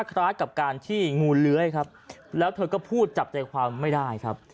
คล้ายกับการที่งูเลื้อยครับแล้วเธอก็พูดจับใจความไม่ได้ครับ